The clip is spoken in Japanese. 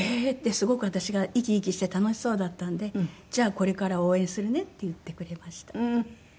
すごく私が生き生きして楽しそうだったので「じゃあこれから応援するね」って言ってくれました。